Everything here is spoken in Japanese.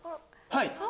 はい。